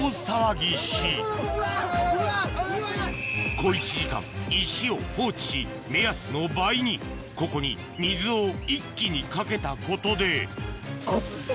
小一時間石を放置し目安の倍にここに水を一気にかけたことでアッツ！